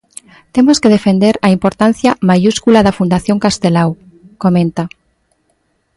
Temos que defender a importancia maiúscula da Fundación Castelao, comenta.